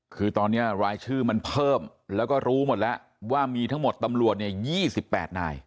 คือตอนนี้รายชื่อมันเพิ่มแล้วก็รู้หมดแล้วว่ามีทั้งหมดตำรวจเนี่ย๒๘นาย